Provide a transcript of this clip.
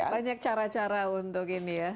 banyak cara cara untuk ini ya